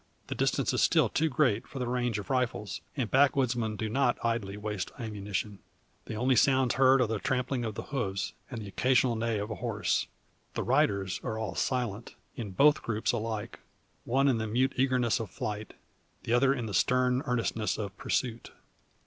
The distance is still too great for the range of rifles, and backwoodsmen do not idly waste ammunition. The only sounds heard are the trampling of the hooves, and the occasional neigh of a horse. The riders are all silent, in both troops alike one in the mute eagerness of flight, the other with the stern earnestness of pursuit.